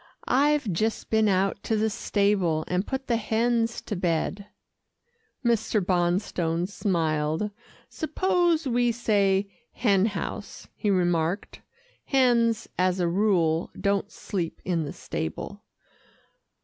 "I've just been out to the stable, and put the hens to bed." Mr. Bonstone smiled. "Suppose we say hen house," he remarked. "Hens, as a rule, don't sleep in the stable."